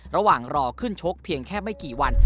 ระหว่างรอขึ้นชกเพียงแค่ไม่กี่วัน